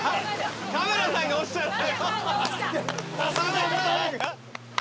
カメラさんが落ちちゃった。